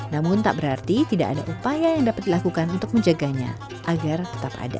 namun tak berarti tidak ada upaya yang dapat dilakukan untuk menjaganya agar tetap ada